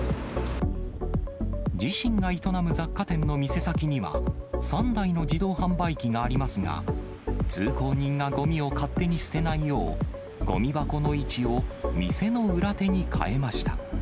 自身が営む雑貨店の店先には、３台の自動販売機がありますが、通行人がごみを勝手に捨てないよう、ごみ箱の位置を店の裏手に変えました。